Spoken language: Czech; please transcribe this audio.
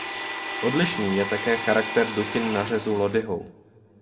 Odlišný je také charakter dutin na řezu lodyhou.